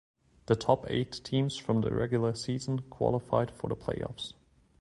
The top eight teams from the regular season qualified for the playoffs.